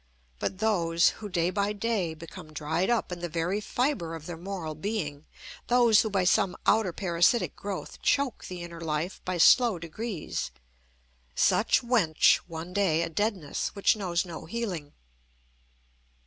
But those who, day by day, become dried up in the very fibre of their moral being; those who by some outer parasitic growth choke the inner life by slow degrees, such wench one day a deadness which knows no healing.